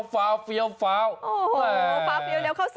โอ้โหฟ้าเฟียวเร็วเข้าซอย